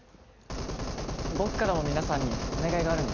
僕からも皆さんにお願いがあるんですけど。